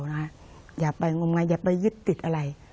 พระพุทธคือพระพุทธคือ